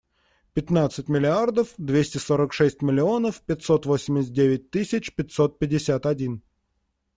Пятнадцать миллиардов двести сорок шесть миллионов пятьсот восемьдесят девять тысяч пятьсот пятьдесят один.